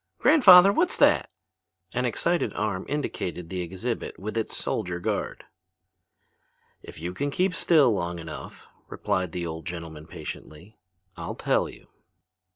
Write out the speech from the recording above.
"Grandfather, what's that?" An excited arm indicated the exhibit with its soldier guard. "If you can keep still long enough," replied the old gentleman patiently, "I'll tell you."